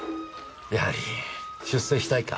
やはり出世したいか？